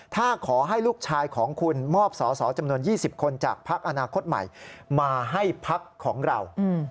ถ้าขอให้ลูกชายของคุณมอบสอสอจำนวน๒๐คนจากพักอนาคตใหม่มาให้พักของเรา